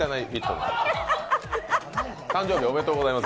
誕生日おめでとうございます。